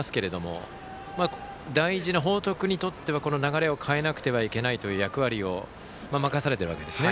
まだ、５点差ありますけども大事な報徳にとっては流れを変えなくてはいけないという役割を任されているわけですね。